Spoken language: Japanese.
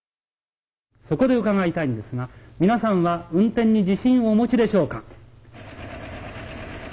そこで伺いたいんですが皆さんは運転に自信をお持ちでしょうか。